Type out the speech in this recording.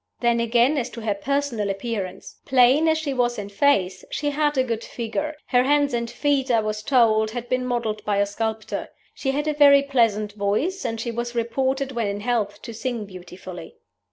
Then, again, as to her personal appearance. Plain as she was in face, she had a good figure; her hands and feet, I was told, had been modeled by a sculptor. She had a very pleasant voice, and she was reported when in health to sing beautifully.